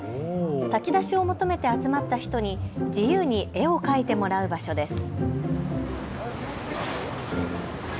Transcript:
炊き出しを求めて集まった人に自由に絵を描いてもらう場所です。